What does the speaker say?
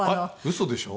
嘘でしょ。